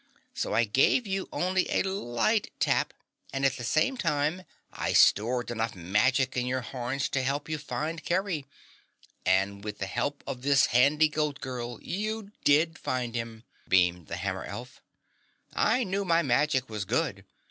So I gave you only a light tap and at the same time, I stored enough magic in your horns to help you find Kerry and with the help of this handy Goat Girl you DID find him!" beamed the hammer elf. "I knew my magic was good.